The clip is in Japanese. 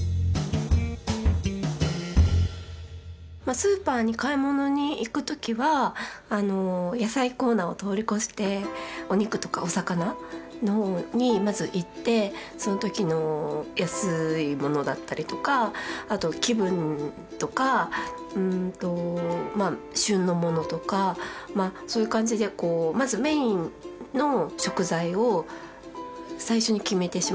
スーパーに買い物に行く時は野菜コーナーを通り越してお肉とかお魚のほうにまず行ってその時の安いものだったりとかあと気分とか旬のものとかそういう感じでまずメインの食材を最初に決めてしまいます。